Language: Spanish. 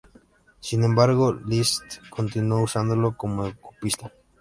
Sin embargo, Liszt continuó usándolo como copista.